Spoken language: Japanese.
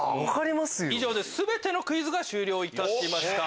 以上で全てのクイズが終了いたしました。